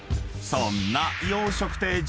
［そんな「洋食亭」